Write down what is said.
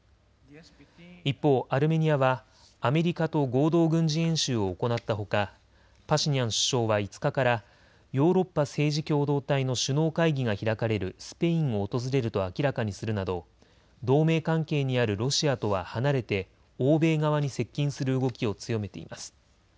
一方、アルメニアはアメリカと合同軍事演習を行ったほかパシニャン首相は５日からヨーロッパ政治共同体の首脳会議が開かれるスペインを訪れると明らかにするなど同盟関係にあるロシアとは離れて欧米側に接近する動きを強めています。